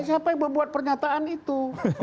siapa yang membuat pernyataan itu